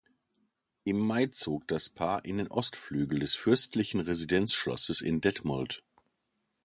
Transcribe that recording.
Im Mai zog das Paar in den Ostflügel des Fürstlichen Residenzschlosses in Detmold.